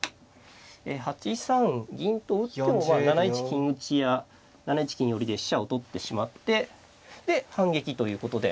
８三銀と打っても７一金打や７一金寄で飛車を取ってしまってで反撃ということで。